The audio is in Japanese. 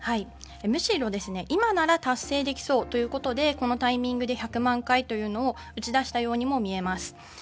むしろ今なら達成できそうということでこのタイミングで１００万回というのを打ち出したようにも見えます。